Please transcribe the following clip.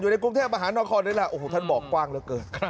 ในกรุงเทพมหานครนี่แหละโอ้โหท่านบอกกว้างเหลือเกิน